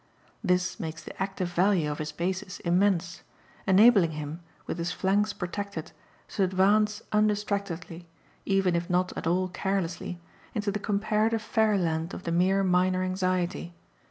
This makes the active value of his basis immense, enabling him, with his flanks protected, to advance undistractedly, even if not at all carelessly, into the comparative fairy land of the mere minor anxiety.